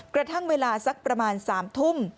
กระทั่งเวลาสักประมาณ๓ทุ่ม